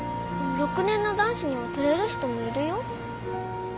６年の男子には取れる人もいるよ。